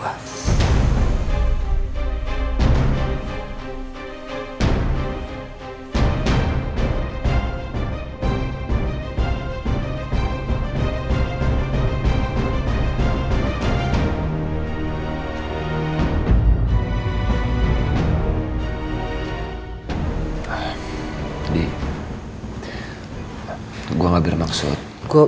jadi gue gak bermaksud